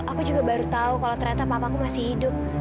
aku juga baru tahu kalau ternyata mamaku masih hidup